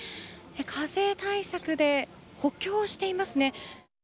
風対策で補強していますね。